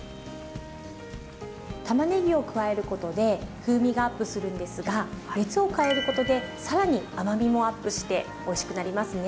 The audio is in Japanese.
たまねぎを加えることで風味がアップするんですが熱を加えることで更に甘みもアップしておいしくなりますね。